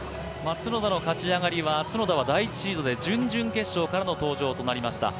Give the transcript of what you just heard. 角田は勝ち上がりで、第１シードで準々決勝からの登場となりました。